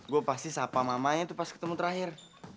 gua pasti sapa mamanya pas ketemu terakhir